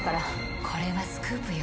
「これはスクープよ」